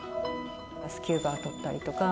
スキューバ取ったりとか。